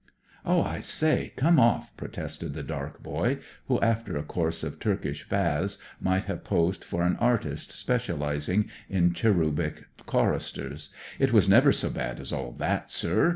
" Oh, I say, come off I " protested the dark boy, who, after a course of Turkish baths, might have posed for an artist specialising in cherubic choristers. "It was never so bad as all that, sir.